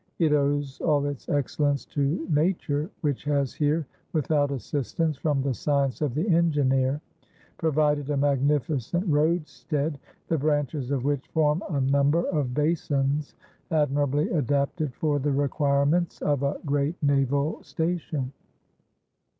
It owes all its excellence to Nature, which has here, without assistance from the science of the engineer, provided a magnificent roadstead, the branches of which form a number of basins admirably adapted for the requirements of a great naval station.